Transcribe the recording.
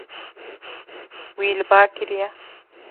Wî li ba kiriye.